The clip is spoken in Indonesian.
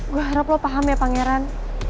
gue harap lo paham ya pangeran